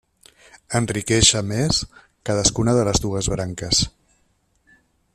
Enriqueix a més cadascuna de les dues branques.